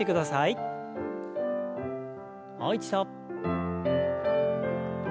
もう一度。